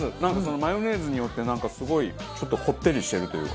マヨネーズによってなんかすごいちょっとこってりしてるというか。